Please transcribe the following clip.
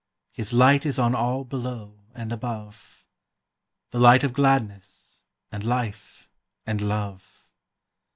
His light is on all below and above, The light of gladness, and life, and love.